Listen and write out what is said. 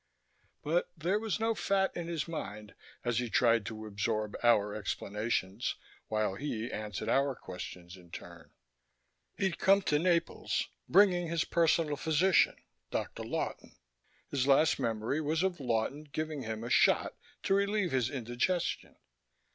But there was no fat in his mind as he tried to absorb our explanations while he answered our questions in turn. He'd come to Naples, bringing his personal physician, Dr. Lawton. His last memory was of Lawton giving him a shot to relieve his indigestion.